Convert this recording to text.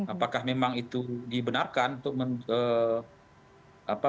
apakah memang itu dibenarkan untuk mengembalikan